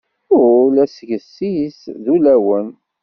Ul asget-is d ulawen.